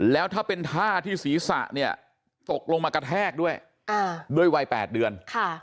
แล้วถ้าเป็นท่าที่ศีรษะเนี่ยตกลงมากระแทกด้วยด้วยวัย๘เดือน